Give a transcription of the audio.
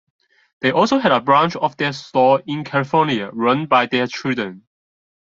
They also had a branch of their store in California run by their children.